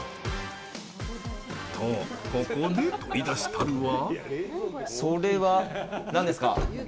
と、ここで取り出したるは。